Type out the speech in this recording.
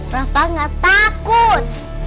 rafa nggak takut